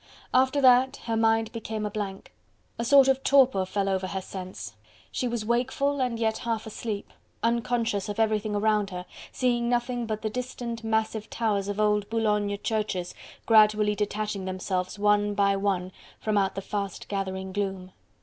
After that her mind became a blank. A sort of torpor fell over her sense: she was wakeful and yet half asleep, unconscious of everything around her, seeing nothing but the distant massive towers of old Boulogne churches gradually detaching themselves one by one from out the fast gathering gloom.